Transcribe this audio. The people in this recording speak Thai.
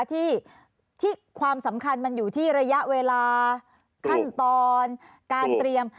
ที่ความสำคัญมันอยู่ที่ระยะเวลาขั้นตอนการเตรียม